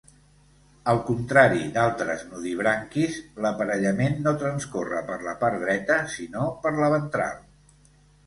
Al contrari d'altres nudibranquis, l'aparellament no transcorre per la part dreta, sinó per la ventral.